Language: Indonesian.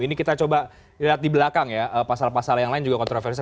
ini kita coba lihat di belakang ya pasal pasal yang lain juga kontroversial